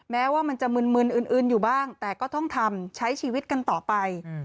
แม้ว่ามันจะมึนอื่นอยู่บ้างแต่ก็ต้องทำใช้ชีวิตกันต่อไป